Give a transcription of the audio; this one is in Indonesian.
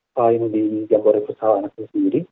tain di jamboree futsal anak anak sendiri